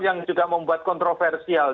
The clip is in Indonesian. yang juga membuat kontroversial